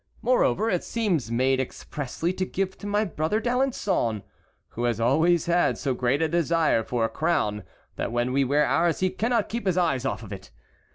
Moreover, it seems made expressly to give to my brother D'Alençon, who has always had so great a desire for a crown that when we wear ours he cannot keep his eyes off of it.